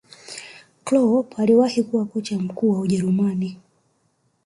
Kloop aliwahi kuwa kocha mkuu wa ujerumani